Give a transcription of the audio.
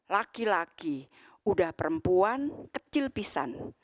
laki laki udah perempuan kecil pisan